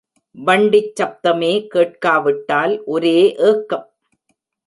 வண்டிச் சப்தமே கேட்காவிட்டால் ஒரே ஏக்கம்.